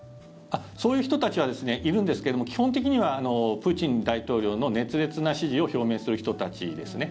そういう人たちはいるんですけれども基本的にはプーチン大統領の熱烈な支持を表明する人たちですね。